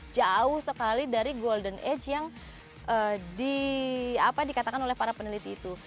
jauh sekali dari golden age yang dikatakan oleh para peneliti itu